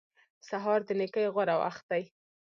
سهار د نېکۍ غوره وخت دی.